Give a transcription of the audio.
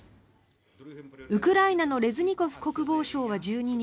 ウクライナのレズニコフ国防相は１２日